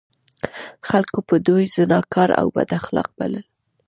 خلکو به دوی زناکار او بد اخلاق بلل.